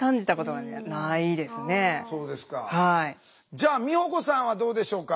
じゃあ美保子さんはどうでしょうか？